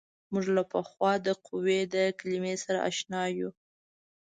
موږ له پخوا د قوې د کلمې سره اشنا یو.